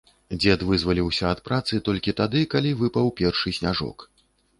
Дзед вызваліўся ад працы толькі тады, калі выпаў першы сняжок.